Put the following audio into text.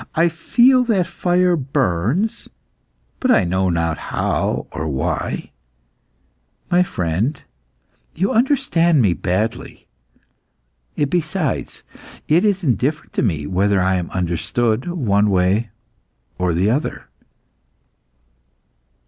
I feel that fire burns but I know not how or why. My friend, you understand me badly. Besides, it is indifferent to me whether I am understood one way or the other."